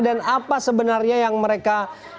dan apa sebenarnya yang mereka